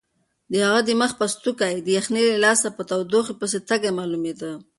د هغې د مخ پوستکی د یخنۍ له لاسه په تودوخه پسې تږی معلومېده.